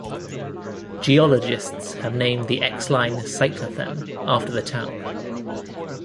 Geologists have named the Exline cyclothem after the town.